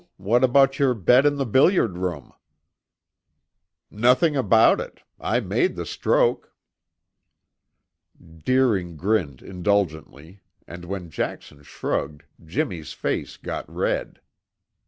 What about your bet in the billiard room?" "Nothing about it. I made the stroke." Deering grinned indulgently, and when Jackson shrugged, Jimmy's face got red.